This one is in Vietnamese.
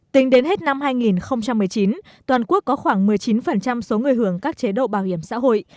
tính đến hết năm hai nghìn một mươi chín toàn quốc có khoảng một mươi chín số người hưởng các chế độ bảo hiểm xã hội